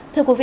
thưa quý vị